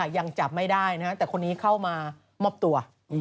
ยังจับไม่ได้แต่คนนี้เข้ามามอบตัว